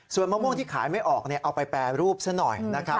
ส่วนมะม่วงที่ขายไม่ออกเอาไปแปรรูปซะหน่อยนะครับ